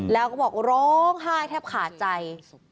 แล้วก็บอกร้องไห้แทบขาดใจ